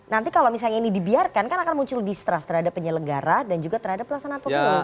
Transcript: nanti kalau misalnya ini dibiarkan kan akan muncul distrust terhadap penyelenggara dan juga terhadap pelaksanaan pemilu